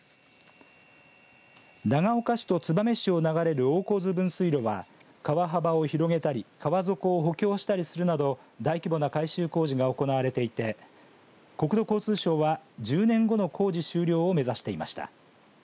長岡市と燕市を流れる大河津分水路は川幅を広げたり川底を補強したりするなど大規模な改修工事が行われていて国土交通省は、１０年後の工事終了を目指していました。